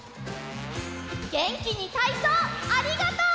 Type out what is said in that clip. げんきにたいそうありがとう！